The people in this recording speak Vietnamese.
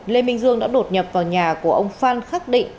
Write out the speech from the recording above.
lê minh dương đã đột nhập vào nhà của ông phan khắc định